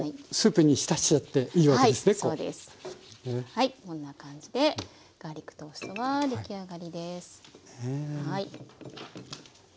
はいこんな感じでガーリックトーストは出来上がりです。